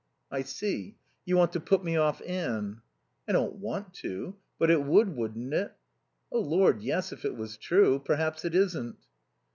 "I see; you want to put me off Anne?" "I don't want to. But it would, wouldn't it?" "Oh Lord, yes, if it was true. Perhaps it isn't."